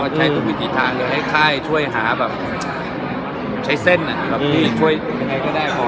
ใช้ตัววิธีทางให้ค้ายช่วยหาใช้เส้นช่วยยังไงก็ได้